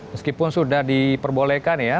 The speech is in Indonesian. meskipun sudah diperbolehkan ya